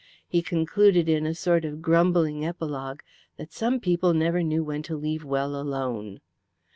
He concluded in a sort of grumbling epilogue that some people never knew when to leave well alone.